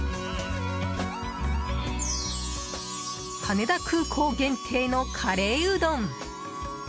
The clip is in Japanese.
羽田空港限定のカレーうどん。